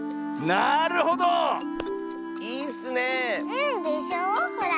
うんでしょほら。